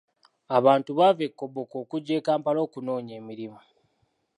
Abantu bava e Koboko okujja e Kampala okunoonya emirimu.